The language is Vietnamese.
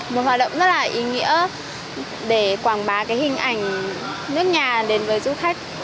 một hoạt động rất là ý nghĩa để quảng bá cái hình ảnh nước nhà đến với du khách